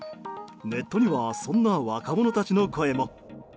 ネットにはそんな若者たちの声も。